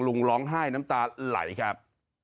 ลุงร้องไห้น้ำตาไหลครับ